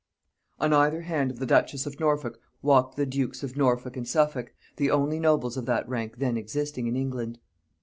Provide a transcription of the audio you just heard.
On either hand of the duchess of Norfolk walked the dukes of Norfolk and Suffolk, the only nobles of that rank then existing in England.